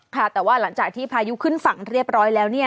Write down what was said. ค่ะแต่ว่าหลังจากที่พายุขึ้นฝั่งเรียบร้อยแล้วเนี่ย